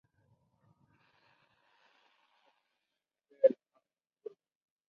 The Parisian Sports Arena Halle Georges Carpentier is named after him.